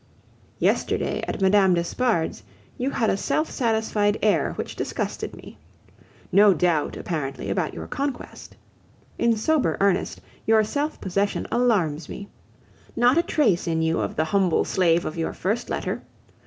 Yesterday at Mme. d'Espard's you had a self satisfied air which disgusted me. No doubt, apparently, about your conquest! In sober earnest, your self possession alarms me. Not a trace in you of the humble slave of your first letter.